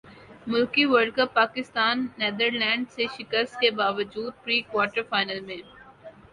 hockey World Cup Pakistan Netherlands سے شکست کے باوجود پری کوارٹر فائنل میں